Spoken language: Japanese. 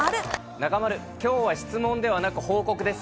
中丸、きょうは質問ではなく報告です。